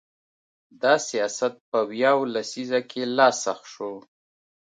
دا سیاست په ویاو لسیزه کې لا سخت شو.